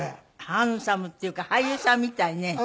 ハンサムっていうか俳優さんみたいね。